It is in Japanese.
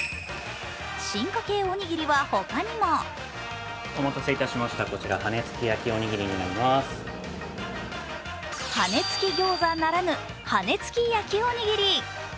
進化系おにぎりはほかにも羽根つきギョーザならぬ羽根つき焼きおにぎり。